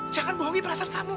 jangan bohongin perasaan kamu